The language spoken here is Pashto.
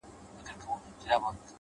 مثبت انسان د هیلو اور بل ساتي.